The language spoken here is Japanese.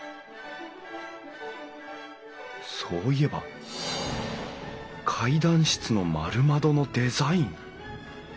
そういえば階段室の丸窓のデザイン。